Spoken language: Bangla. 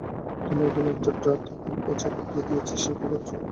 তোমার বোন একটা ডার্ট তার পাছায় ঢুকিয়ে দিয়েছে সে করেছে?